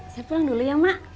saya pulang dulu ya mak